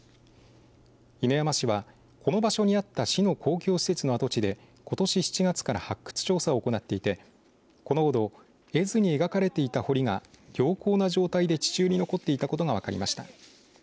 犬山市はこの場所にあった市の公共施設の跡地で今年７月から発掘調査を行っていて、このほど絵図に描かれていた堀が良好な状態で地中に残っていたことが分かりました。